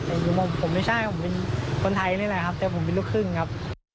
แต่ผมบอกผมไม่ใช่ผมเป็นคนไทยนี่แหละครับแต่ผมเป็นลูกครึ่งครับ